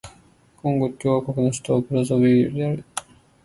コンゴ共和国の首都はブラザヴィルである